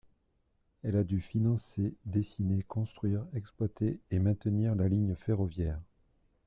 Elle a dû financer, dessiner, construire, exploiter et maintenir la ligne ferroviaire.